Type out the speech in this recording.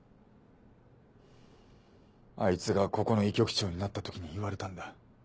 あいつがここの医局長になった時に言われたんだ。